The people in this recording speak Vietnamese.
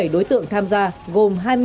hai mươi bảy đối tượng tham gia gồm